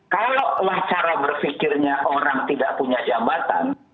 kalau lah cara berfikirnya orang tidak punya jabatan